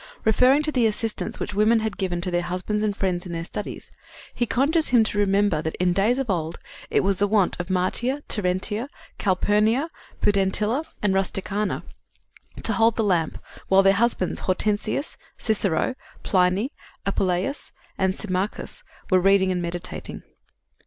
Referring to the assistance which women had given to their husbands and friends in their studies, he conjures him to remember that in days of old it was the wont of Martia, Terentia, Calpurnia, Pudentilla and Rusticana to hold the lamp while their husbands, Hortensius, Cicero, Pliny, Apuleius and Symmachus, were reading and meditating.